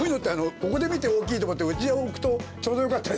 ここで見て大きいとかってうち置くとちょうどよかったり。